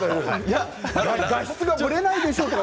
画質がぶれないでしょう？とか